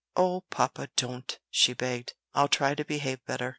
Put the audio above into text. "O papa, don't!" she begged. "I'll try to behave better."